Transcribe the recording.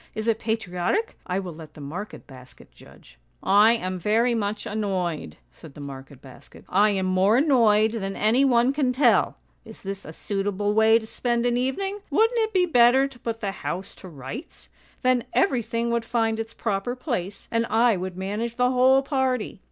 Is it patriotic? I will let the market basket judge.' "' I am very much annoyed,' said the market basket. ' I am more annoyed than any one can tell ! Is this a suitable way to spend an evening? Wouldn't it be better to put the house to rights? Then everything would find its proper place, and I would manage the whole party.